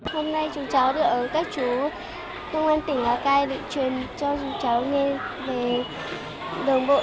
hôm nay chúng cháu được các chú công an tỉnh lào cai được truyền cho chúng cháu nghe về đồng bộ